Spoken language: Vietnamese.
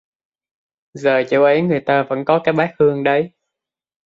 giờ chỗ ấy người ta vẫn có cái bát hương đấy